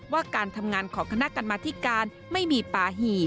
ว่าการทำงานของคณะกรรมธิการไม่มีป่าหี่